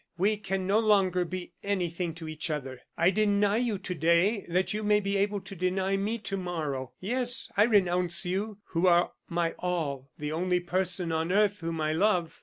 "We can no longer be anything to each other. I deny you to day, that you may be able to deny me to morrow. Yes, I renounce you, who are my all the only person on earth whom I love.